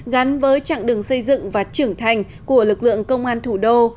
gắn với trạng đường xây dựng và trưởng thành của lực lượng công an thủ đô